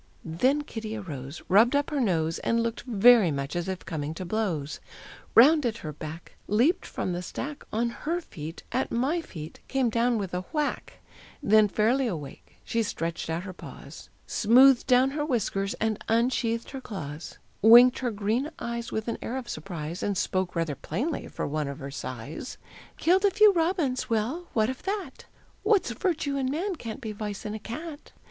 Then Kitty arose, Rubbed up her nose, And looked very much as if coming to blows; Rounded her back, Leaped from the stack, On her feet, at my feet, came down with a whack, Then, fairly awake, she stretched out her paws, Smoothed down her whiskers, and unsheathed her claws, Winked her green eyes With an air of surprise, And spoke rather plainly for one of her size. "Killed a few robins; well, what of that? What's virtue in man can't be vice in a cat.